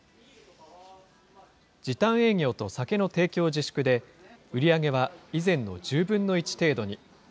時短営業と酒の提供自粛で、売り上げは以前の１０分の１程度に。